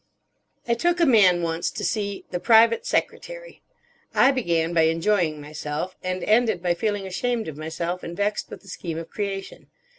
I took a man once to see The Private Secretary. I began by enjoying myself, and ended by feeling ashamed of myself and vexed with the scheme of creation.